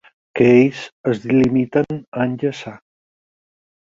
Que ells es limiten a enllaçar.